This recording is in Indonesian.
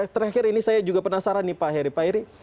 terakhir ini saya juga penasaran nih pak heri